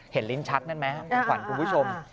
เห็นลิ้นชักนั่นไหมคุณผู้ชม